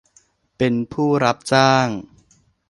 เป็นผู้รับจ้าง